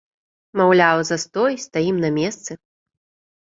Маўляў, застой, стаім на месцы.